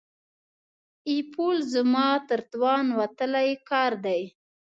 ایېلول زما تر توان وتلی کار دی.